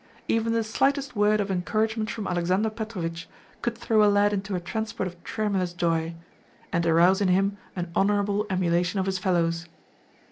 Even the slightest word of encouragement from Alexander Petrovitch could throw a lad into a transport of tremulous joy, and arouse in him an honourable emulation of his fellows.